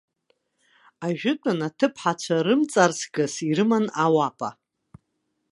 Ажәытәан аҭыԥҳацәа рымҵарсгас ирыман ауапа.